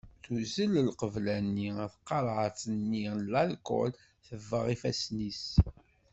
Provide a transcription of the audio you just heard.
Tuzzel lqebla-nni ar tqarɛet-nni n larkul tebbeɣ ifassen-is.